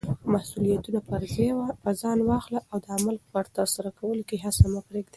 مسولیتونه پر ځان واخله او د عمل په ترسره کولو کې هڅه مه پریږده.